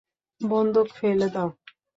বন্দুক ফেলে দাও।